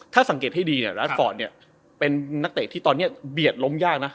ถ้าสังเกตให้ดีแรทฟอร์ตเป็นนักเต๊กที่ตอนนี้เบียดลมยากนะ